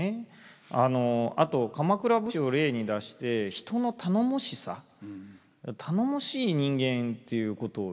あと鎌倉武士を例に出して人の頼もしさ頼もしい人間っていうことをいう。